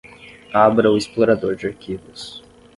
Abra o explorador de arquivos.